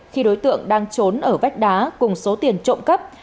khi đối tượng đang trốn ở vách đá cùng số tiền trộm cắp